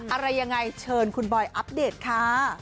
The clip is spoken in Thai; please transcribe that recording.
อะไรยังไงเชิญคุณบอยอัปเดตค่ะ